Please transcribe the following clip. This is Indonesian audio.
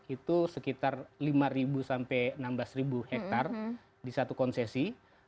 itu sekitar lima sampai enam belas hektare di satu konsesi